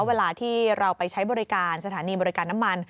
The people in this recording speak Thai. เวลาที่เราไปใช้บริการสถานีบริการน้ำมัน